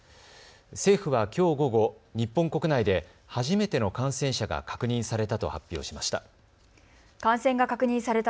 政府はきょう午後、日本国内で初めての感染者が確認されたと発表しました。